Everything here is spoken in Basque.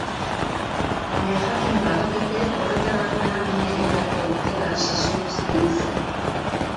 Baina, jakin badakite horretarako lan ona egin beharko dutela sasoi guztian zehar.